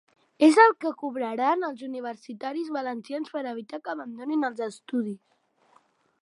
És el que cobraran els universitaris valencians per evitar que abandonin els estudis.